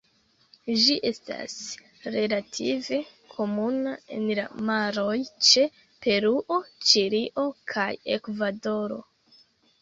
Ĝi estas relative komuna en la maroj ĉe Peruo, Ĉilio kaj Ekvadoro.